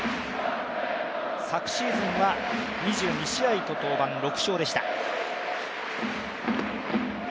昨シーズンは２２試合登板で６勝でした。